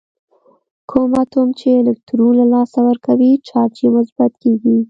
کوم اتوم چې الکترون له لاسه ورکوي چارج یې مثبت کیږي.